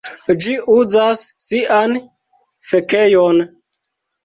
ĝi uzas sian fekejon.